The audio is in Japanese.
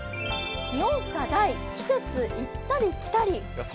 気温差大、季節行ったり来たり。